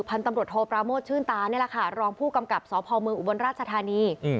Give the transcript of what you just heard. พันธมตรวจโทปราโมทชื่นตารองผู้กำกับสภมืออุบันราชธานี